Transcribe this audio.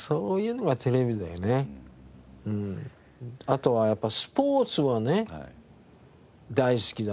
あとはやっぱスポーツはね大好きだな。